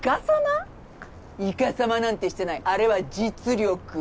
いかさまなんてしてないあれは実力。